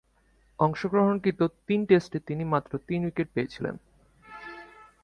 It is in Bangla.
অংশগ্রহণকৃত তিন টেস্টে তিনি মাত্র তিন উইকেট পেয়েছিলেন।